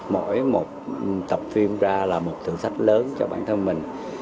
mỗi một tập phim ra là một thử thách lớn cho bản thân mình